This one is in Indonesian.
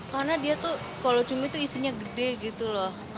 karena dia tuh kalau cumi tuh isinya gede gitu loh